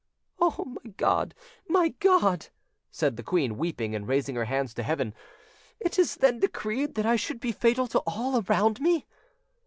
"Oh, my God! my God!" said the queen, weeping, and raising her hands to heaven, "it is then decreed that I should be fatal to all around me!"